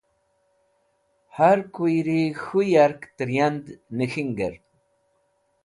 Har kuyri k̃hũ yark tẽr yand nẽk̃hingẽr.